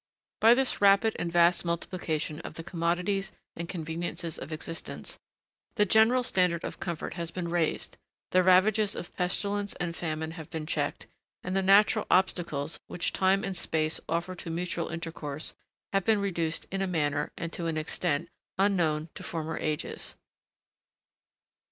By this rapid and vast multiplication of the commodities and conveniences of existence, the general standard of comfort has been raised, the ravages of pestilence and famine have been checked, and the natural obstacles, which time and space offer to mutual intercourse, have been reduced in a manner, and to an extent, unknown to former ages.